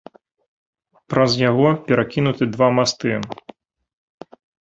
Праз яго перакінуты два масты.